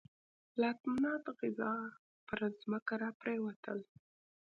لات، منات، عزا پر ځمکه را پرېوتل.